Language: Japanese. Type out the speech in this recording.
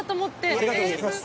ありがとうございます。